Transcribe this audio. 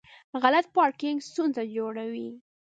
غلط پارکینګ ستونزه جوړوي.